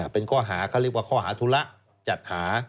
เป็นข้อหาเขาเรียกว่าข้อหาธุระจัดหา